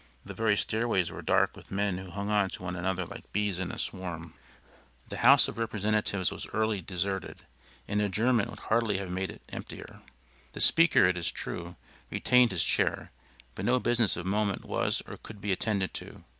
The very stairways were dark with men who hung on to one another like bees in a swarm. The House of Representatives was early deserted. An adjournment would hardly have made it emptier. The speaker, it is true, retained his chair, but no business of moment was or could be attended to.